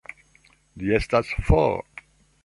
Li estas for.